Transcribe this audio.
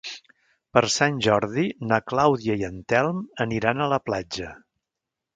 Per Sant Jordi na Clàudia i en Telm aniran a la platja.